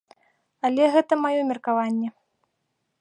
Але гэта маё меркаванне.